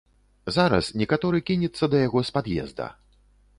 Зараз некаторы кінецца да яго з пад'езда.